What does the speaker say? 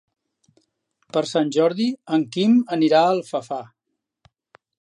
Per Sant Jordi en Quim anirà a Alfafar.